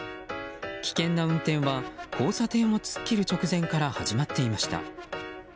危険な運転は交差点を突っ切る直前から始まっていました。